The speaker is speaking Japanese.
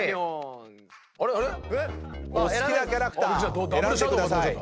お好きなキャラクター選んでください。